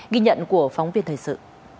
ghi nhận của phóng viên thời sự